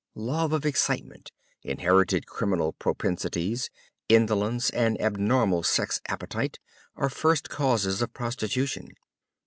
Love of excitement, inherited criminal propensities, indolence and abnormal sex appetite are first causes of prostitution.